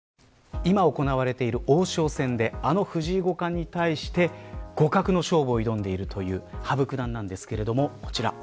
今、行われている王将戦であの藤井五冠に対して互角の勝負を挑んでいるという羽生九段なんですけれどもこちら。